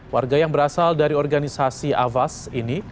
warga yang berasal dari organisasi avas ini